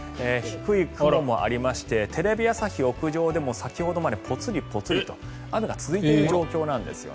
低い雲もありましてテレビ朝日屋上でも先ほどまでぽつりぽつりと雨が続いている状況なんです。